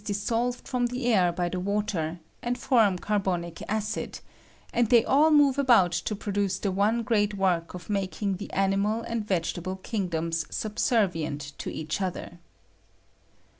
179 18 dissolved from the air by the water, and form carbonic acid, and they all move about to produce the one great work of making the an imal aad vegetable kingdoms subservient to each other.